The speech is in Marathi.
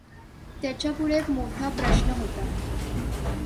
त्याच्यापुढे एक मोठा प्रष्ण होता.